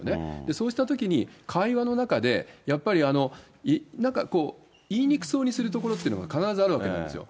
そうしたときに会話の中で、やっぱりなんかこう、言いにくそうにするところっていうのが必ずあるわけなんですよ。